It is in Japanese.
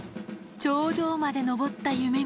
頂上まで登ったゆめみ。